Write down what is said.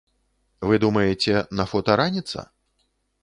Вы думаеце, на фота раніца?